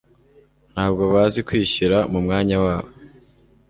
Ntabwo bazi kwishyira mu mwanya wabo.